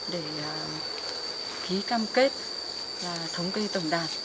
để ký cam kết thống kê tổng đàn